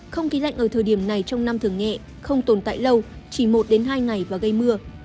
không khí lạnh ở thời điểm này trong năm thường nhẹ không tồn tại lâu chỉ một hai ngày và gây mưa